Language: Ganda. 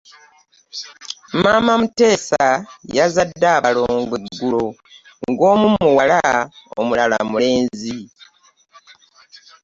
Maama muteesa yazadde abalongo eggulo nga omu muwala omulala mulenzi.